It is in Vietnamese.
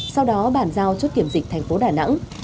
sau đó bản giao chốt kiểm dịch thành phố đà nẵng